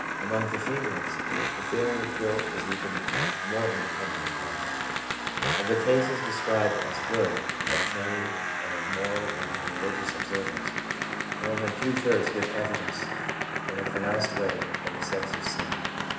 Among the females the feeling of guilt is even more independent of conduct. Of the cases described 70 THE PSYCHOLOGY OF RELIGION as of good training and of moral and even religious observance, more than two thirds give evidence in a pronounced way of the sense of sin.